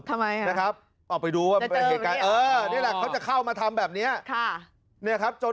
ทำไมครับ